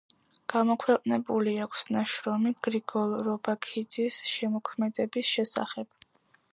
გამოქვეყნებული აქვს ნაშრომი გრიგოლ რობაქიძის შემოქმედების შესახებ.